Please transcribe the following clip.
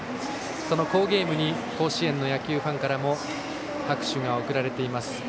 その好ゲームに甲子園の野球ファンからも拍手が送られています。